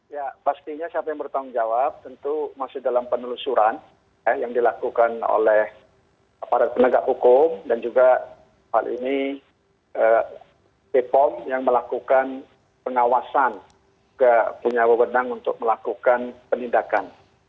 ya pastinya siapa yang bertanggung jawab tentu masih dalam penelusuran yang dilakukan oleh para penegak hukum dan juga hal ini bepom yang melakukan pengawasan juga punya wewenang untuk melakukan penindakan